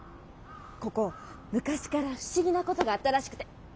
ここ昔から「不思議なこと」があったらしくて。